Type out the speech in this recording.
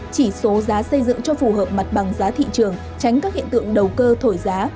chỉ số giá xây dựng cho phù hợp mặt bằng giá thị trường tránh các hiện tượng đầu cơ thổi giá